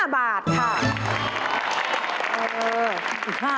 ๕บาทค่ะ